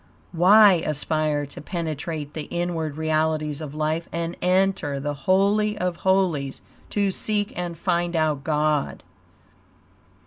Why aspire to penetrate the inward realities of life and enter the Holy of Holies to seek and find out God?